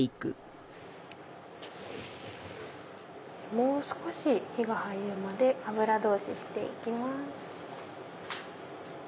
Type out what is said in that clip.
もう少し火が入るまで油通しして行きます。